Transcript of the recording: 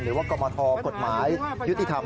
หรือว่ากรมทกฎหมายยุติธรรม